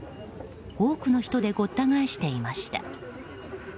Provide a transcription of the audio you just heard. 多くの人でごった返していました。